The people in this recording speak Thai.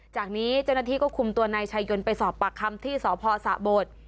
จากนี้เจ้าหน้าที่ก็คุมตัวนายชายนไปสอบปากคำที่สพสะโบด